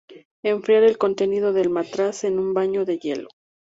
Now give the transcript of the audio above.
Enfriar el contenido del matraz en un baño de hielo.